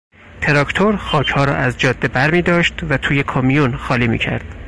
تراکتور خاکها را از جاده برمیداشت و توی کامیون خالی میکرد.